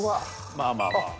まあまあまあ。